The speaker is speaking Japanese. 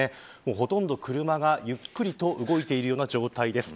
ほとんど車がゆっくりと動いているような状態です。